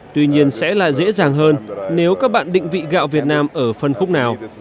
tuy nhiên sẽ là dễ dàng hơn nếu các bạn định vị gạo việt nam ở phân khúc nào